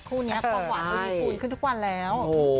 คู้นี้ค่องหวานธรรมีอุ่นขึ้นทุกวันแล้ว